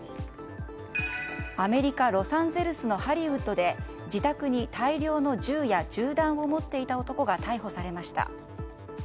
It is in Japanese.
アメリカ・ロサンゼルスのハリウッドで自宅に大量の銃や銃弾を持っていた男が逮捕されました。